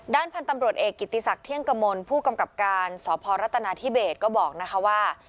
พันธุ์ตำรวจเอกกิติศักดิ์เที่ยงกมลผู้กำกับการสพรัฐนาธิเบสก็บอกนะคะว่า